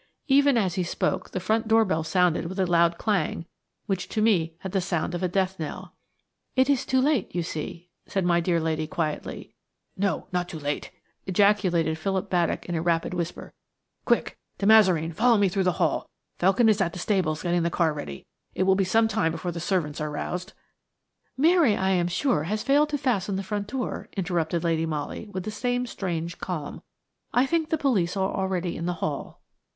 Even as he spoke the front door bell sounded with a loud clang, which to me had the sound of a death knell. "It is too late, you see," said my dear lady, quietly. "No, not too late," ejaculated Philip Baddock, in a rapid whisper. "Quick! De Mazareen, follow me through the hall. Felkin is at the stables getting the car ready. It will be some time before the servants are roused." "Mary, I am sure, has failed to fasten the front door," interrupted Lady Molly, with the same strange calm. "I think the police are already in the hall."